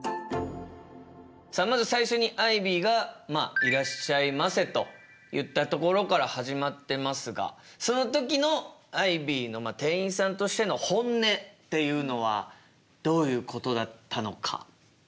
さあまず最初にアイビーが「いらっしゃいませ」と言ったところから始まってますがその時のアイビーの店員さんとしての本音っていうのはどういうことだったのか？